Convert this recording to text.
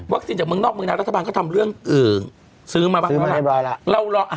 วัคซีนจากเมืองนอกเมืองหน้ารัฐบาลก็ทำเรื่องซื้อมาเรียบร้อยแล้ว